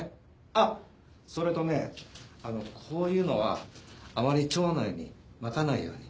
あっそれとねあのこういうのはあまり町内にまかないように。